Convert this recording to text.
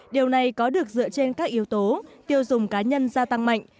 điều này có được dựa trên các yếu tố tiêu dùng cá nhân gia tăng mạnh